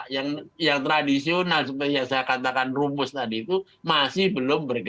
yang tradisional seperti yang saya katakan rumus tadi itu masih belum berhasil